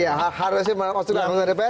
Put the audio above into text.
iya harusnya masuk anggota dpr